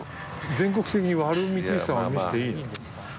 全国的に割る光石さんを見していいの？